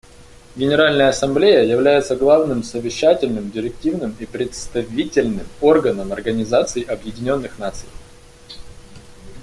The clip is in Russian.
Генеральная Ассамблея является главным совещательным, директивным и представительным органом Организации Объединенных Наций.